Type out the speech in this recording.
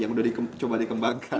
yang udah coba dikembangkan